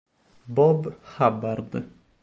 Bob Hubbard